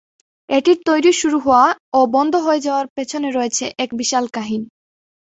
এটির তৈরী শুরু হওয়া ও বন্ধ হয়ে যাওয়ার পেছনে রয়েছে এক বিশাল কাহিনী।